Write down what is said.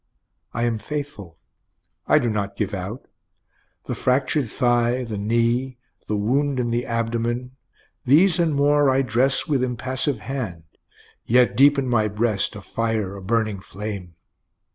_ _I am faithful, I do not give out, The fractur'd thigh, the knee, the wound in the abdomen, These and more I dress with impassive hand, (yet deep in my breast a fire, a burning flame.)